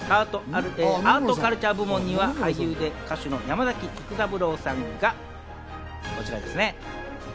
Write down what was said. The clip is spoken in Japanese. アート＆カルチャー部門には俳優で歌手の山崎育三郎さんがこちらですね。